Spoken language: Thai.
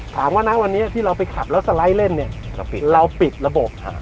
ถามว่านะวันนี้ที่เราไปขับแล้วสไลด์เล่นเนี่ยเราปิดระบบ